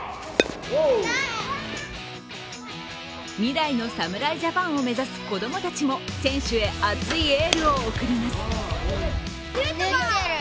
未来の侍ジャパンを目指す子供たちも選手へ熱いエールを送ります。